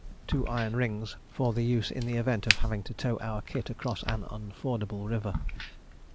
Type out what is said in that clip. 2 iron rings, for use in the event of having to tow our kit across an unfordable river.